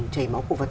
chảy máu cổ vật